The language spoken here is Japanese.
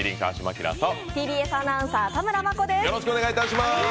ＴＢＳアナウンサー、田村真子です。